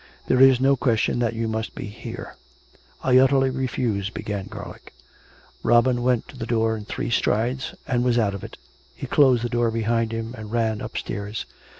There is no question that you must be here." " I utterly refuse " began Garlick. Robin went to the door in three strides; and was out of it. He closed the door behind him and ran upstairs.